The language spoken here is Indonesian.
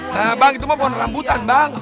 nah bang itu mah pohon rambutan bang